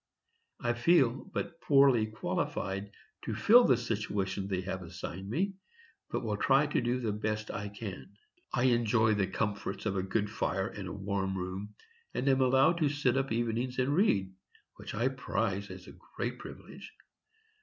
I feel but poorly qualified to fill the situation they have assigned me, but will try to do the best I can.... I enjoy the comforts of a good fire and a warm room, and am allowed to sit up evenings and read, which I prize as a great privilege....